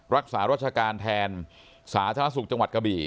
รักษารัชการแทนสาธารณสุขจังหวัดกะบี่